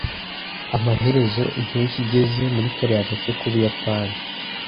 Amaherezo, impeshyi igeze muri kariya gace k'Ubuyapani.